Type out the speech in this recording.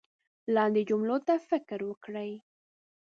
لاندې جملو ته فکر وکړئ